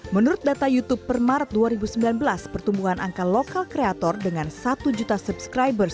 menurut data youtube per maret dua ribu sembilan belas pertumbuhan angka lokal kreator dengan satu juta subscribers